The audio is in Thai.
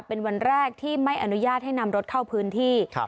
เป็นวันแรกที่ไม่อนุญาตให้นำรถเข้าพื้นที่